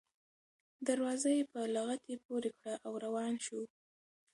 دروازه یې په لغته پورې کړه او روان شو.